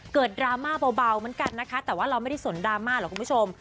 ดราม่าเบาเหมือนกันนะคะแต่ว่าเราไม่ได้สนดราม่าหรอกคุณผู้ชม